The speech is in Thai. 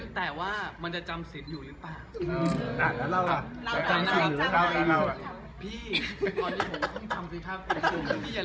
แต่ว่ามันจะจำสินอยู่หรือเปล่า